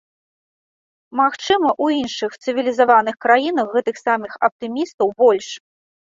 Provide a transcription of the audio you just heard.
Магчыма, у іншых, цывілізаваных краінах гэтых самых аптымістаў больш.